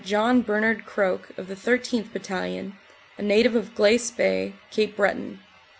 John Bernard Croak of the 13th. Battalion, a native of Glace Bay, Cape Breton.